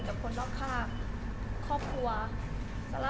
เรื่องครอบครัวใหม่